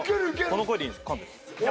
この声でいいんですか？